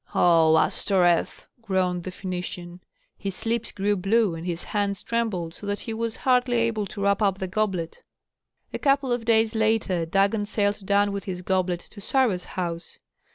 "O Astoreth!" groaned the Phœnician. His lips grew blue, and his hands trembled so that he was hardly able to wrap up the goblet. A couple of days later Dagon sailed down with his goblet to Sarah's house.